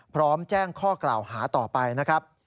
พร้อมแจ้งข้อกล่าวหาต่อไปนะครับ